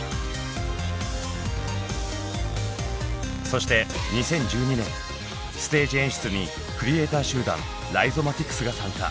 そして２０１２年ステージ演出にクリエイター集団ライゾマティクスが参加。